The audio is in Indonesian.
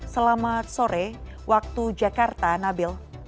selamat sore waktu jakarta nabil